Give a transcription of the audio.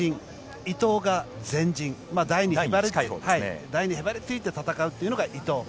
伊藤が前陣台にへばりついて戦うというのが伊藤。